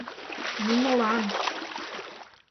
Нимолан!